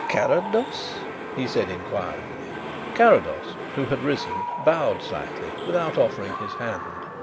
Carrados?" he said inquiringly. Carrados, who had risen, bowed slightly without offering his hand.